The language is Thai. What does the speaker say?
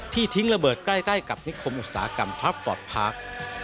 ทิ้งระเบิดใกล้กับนิคมอุตสาหกรรมพับฟอร์ตพาร์ค